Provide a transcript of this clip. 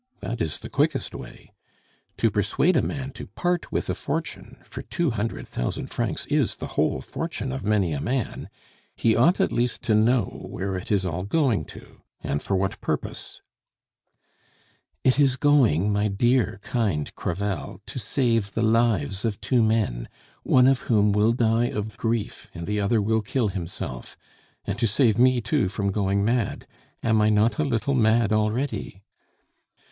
That is the quickest way. To persuade a man to part with a fortune for two hundred thousand francs is the whole fortune of many a man he ought at least to know where it is all going to, and for what purpose " "It is going, my dear kind Crevel, to save the lives of two men, one of whom will die of grief and the other will kill himself! And to save me too from going mad! Am I not a little mad already?"